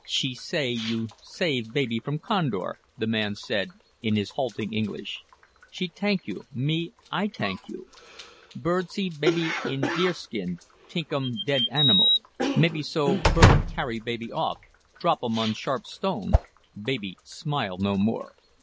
"She say you save baby from condor," the man said in his halting English. "She t'ank you me, I t'ank you. Bird see babe in deer skin t'ink um dead animal. Maybe so bird carry baby off, drop um on sharp stone, baby smile no more.